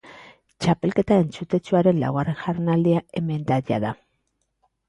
Txapelketa entzutetsuaren laugarren jardunaldia hemen da jada.